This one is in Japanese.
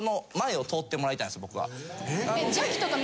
僕は。